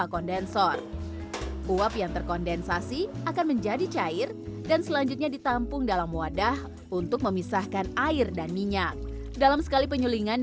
kenapa kita bisa punya produk seperti ini karena gini